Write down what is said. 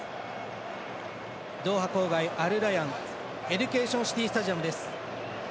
ドーハ郊外、アルラヤンエデュケーションシティスタジアムです。